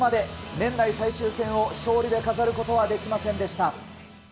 年内最終戦を勝利で飾ることはできませんでした。